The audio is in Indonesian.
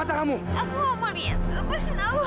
aku gak mau liat aku pas nangis